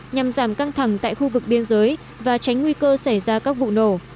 nhằm giảm căng thẳng tại khu vực biên giới và tránh nguy cơ xảy ra các vụ nổ